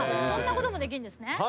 そんなこともできんですね。